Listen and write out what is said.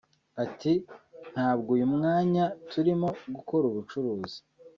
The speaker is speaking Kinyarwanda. Ati “Ntabwo uyu mwanya turimo gukora ubucuruzi